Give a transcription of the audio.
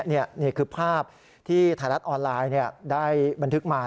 นี่คือภาพที่ไทยรัฐออนไลน์ได้บันทึกมา